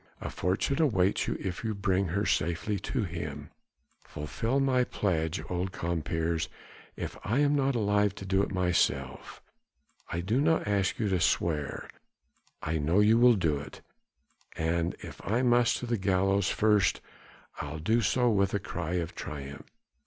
A fortune awaits you if you bring her safely to him. Fulfil my pledge, old compeers, if I am not alive to do it myself. I don't ask you to swear I know you'll do it and if I must to the gallows first I'll do so with a cry of triumph."